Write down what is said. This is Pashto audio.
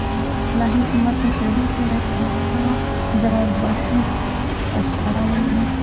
صلاحیت: متن څېړونکی باید پر هغه ژبه بشېړه احتوا ولري.